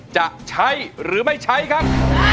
จะใช้หรือไม่ใช้ครับ